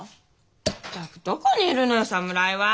ったくどこにいるのよサムライは。